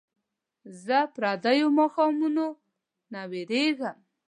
زه پردیو ماښامونو نه ویرېږم